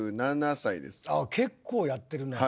結構やってるね。